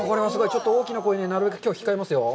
ちょっと大きな声、なるべく控えますよ。